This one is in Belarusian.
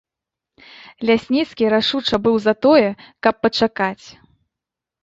Лясніцкі рашуча быў за тое, каб пачакаць.